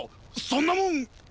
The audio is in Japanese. ⁉そんなもん！